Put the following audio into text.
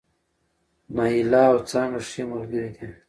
نايله او څانګه ښې ملګرې دي